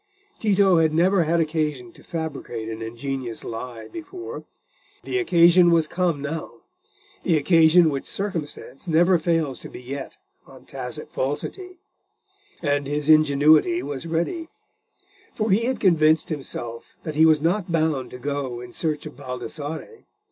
Tito had never had occasion to fabricate an ingenious lie before: the occasion was come now—the occasion which circumstance never fails to beget on tacit falsity; and his ingenuity was ready. For he had convinced himself that he was not bound to go in search of Baldassarre.